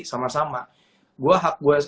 sama sama gua hak